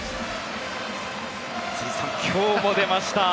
辻さん、今日も出ました。